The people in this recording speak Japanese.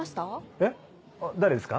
えっ誰ですか？